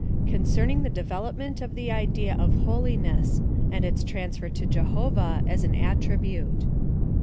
CONCERNING THE DEVELOPMENT OF THE IDEA OF HOLI NESS, AND ITS TRANSFER TO JEHOVAH AS AN ATTRI BUTE.